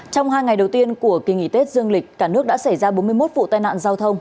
trong hai ngày đầu tiên của kỳ nghỉ tết dương lịch cả nước đã xảy ra bốn mươi một vụ tai nạn giao thông